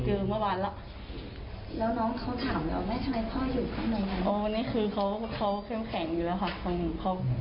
คุณไม่ปิดลูกน้องค่อยจะอธิบายให้ฟัง